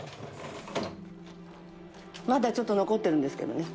まだちょっと残ってるんですけどね